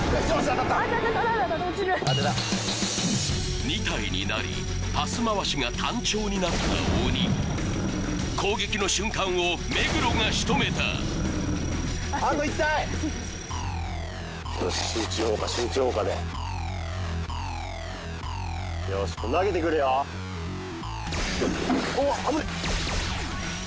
当たった落ちる２体になりパス回しが単調になった鬼攻撃の瞬間を目黒がしとめたよし集中砲火集中砲火でよし投げてくるよおっ危ねえ！